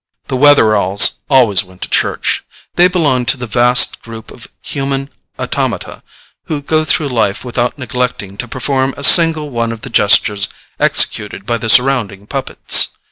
The Wetheralls always went to church. They belonged to the vast group of human automata who go through life without neglecting to perform a single one of the gestures executed by the surrounding puppets.